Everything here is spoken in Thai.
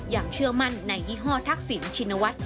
อย่างเชื่อมั่นในยี่ห้อทักศิลป์ชินวัฒน์